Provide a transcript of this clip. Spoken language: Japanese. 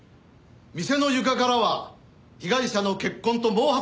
店の床からは被害者の血痕と毛髪が発見されてる。